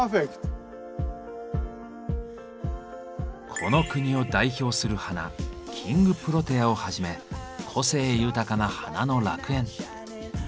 この国を代表する花「キングプロテア」をはじめ個性豊かな花の楽園。